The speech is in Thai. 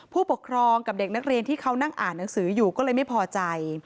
ผู้ปกครองกับเด็กนักเรียนที่เขานั่งอ่านหนังสืออยู่ก็เลยไม่พอใจ